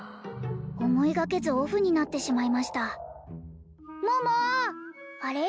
思いがけずオフになってしまいました桃あれ？